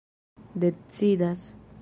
decidas